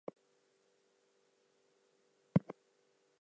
It is home to the Wild Bill Hickok Memorial.